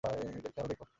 নিজের খেয়াল রেখো!